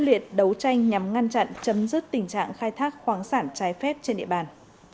liệt đấu tranh nhằm ngăn chặn chấm dứt tình trạng khai thác khoáng sản trái phép trên địa bàn